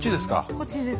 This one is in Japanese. こっちです。